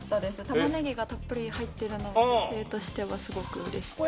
玉ねぎがたっぷり入ってるのは女性としてはすごくうれしい。